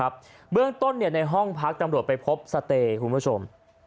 เบื้องต้นในห้องพักตำรวจไปพบสเตย์คุณผู้ชม